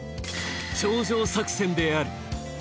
頂上作戦である。